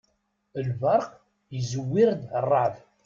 Lberq izewwir-d rreεḍ.